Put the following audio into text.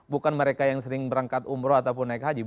bukan mereka yang sering berangkat umroh ataupun naik haji